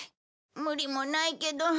無理もないけど。